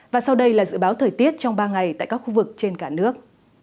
và sau đây là dự báo thời tiết trong ba ngày tại các khu vực trên cả nước